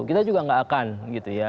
kita juga nggak akan gitu ya